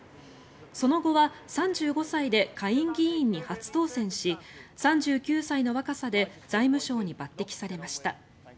その後は３５歳で下院議員に初当選し３９歳の若さで財務相に抜てきされました。